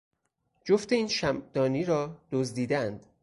جفت این شمعدانی را دزدیدهاند.